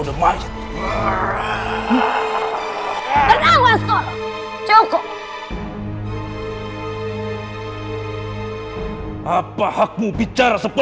ku harap kamu mencari